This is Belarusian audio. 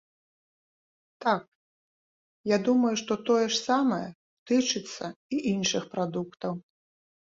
Так, я думаю, што тое ж самае тычыцца і іншых прадуктаў.